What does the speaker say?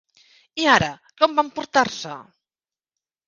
I ara, com van portar-se?